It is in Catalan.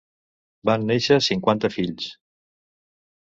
Van néixer cinquanta fills.